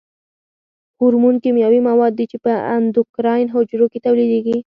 هورمون کیمیاوي مواد دي چې په اندوکراین حجرو کې تولیدیږي.